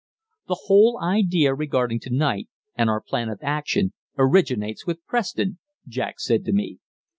"The whole idea regarding to night, and our plan of action, originates with Preston," Jack said to me.